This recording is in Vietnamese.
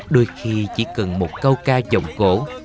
đôi khi chỉ cần một câu ca giọng cổ